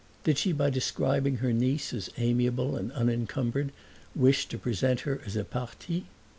Did she by describing her niece as amiable and unencumbered wish to represent her as a parti?